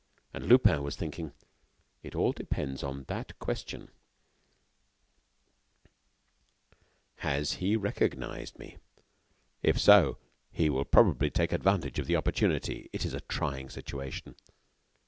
And Lupin was thinking: "It all depends on that question: has he recognized me? If so, he will probably take advantage of the opportunity. It is a trying situation."